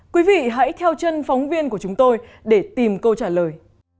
quý vị hãy theo chân phóng viên của chúng tôi để tìm câu trả lời